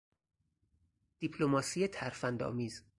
دیپلماسی ترفندآمیز